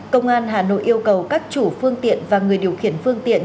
công an hà nội yêu cầu các chủ phương tiện và người điều khiển